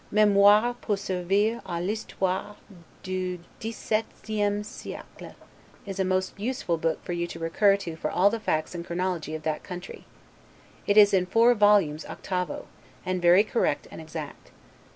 'Memoires pour servir a l'Histoire du 17ieme Siecle', is a most useful book for you to recur to for all the facts and chronology of that country: it is in four volumes octavo, and very correct and exact.